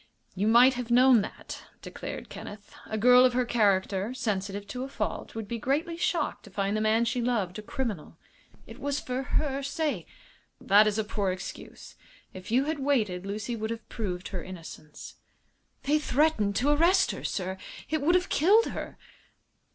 "You might have known that," declared Kenneth. "A girl of her character, sensitive to a fault, would be greatly shocked to find the man she loved a criminal." "It was for her sake." "That is a poor excuse. If you had waited Lucy would have proved her innocence." "They threatened to arrest her, sir. It would have killed her."